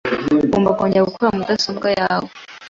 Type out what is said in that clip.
Ugomba kongera gukora mudasobwa yawe .